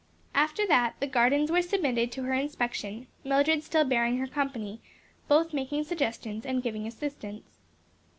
After that the gardens were submitted to her inspection, Mildred still bearing her company, both making suggestions and giving assistance.